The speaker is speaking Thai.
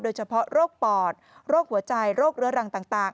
โดยเฉพาะโรคปอดโรคหัวใจโรคเรื้อรังต่าง